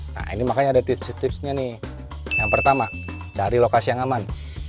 nah ini makanya ada tips tipsnya nih yang pertama dari lokasi yang aman